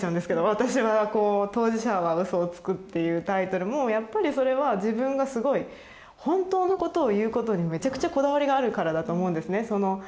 私はこう「当事者は嘘をつく」っていうタイトルもやっぱりそれは自分がすごい本当のことを言うことにめちゃくちゃこだわりがあるからだと思うんですね。